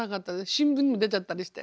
新聞にも出ちゃったりして。